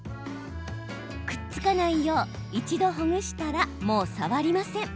くっつかないよう一度ほぐしたら、もう触りません。